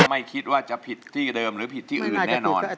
ไม่คิดว่าจะผิดที่เดิมหรือผิดที่อื่นแน่นอน